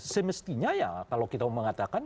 semestinya ya kalau kita mengatakan